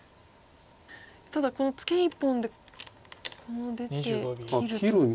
ただこのツケ１本で出て切ると。